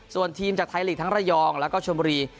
ส่วนทีมจากไทยลีกทั้งระยองแล้วก็ชมบุรี